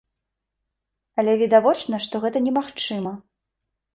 Але відавочна, што гэта немагчыма.